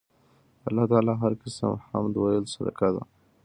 د الله تعالی هر قِسم حمد ويل صدقه ده